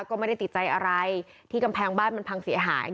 ก็ไม่ได้ติดใจอะไรที่กำแพงบ้านมันพังเสียหาย